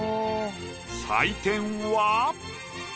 採点は。